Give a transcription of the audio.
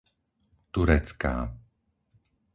Turecká